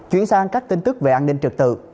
chuyển sang các tin tức về an ninh trật tự